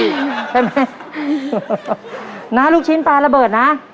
ใช่ไหมน้าลูกชิ้นปลาระเบิดนะ